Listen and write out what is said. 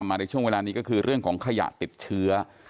ในช่วงเวลานี้ก็คือเรื่องของขยะติดเชื้อ